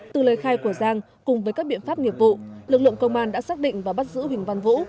từ lời khai của giang cùng với các biện pháp nghiệp vụ lực lượng công an đã xác định và bắt giữ huỳnh văn vũ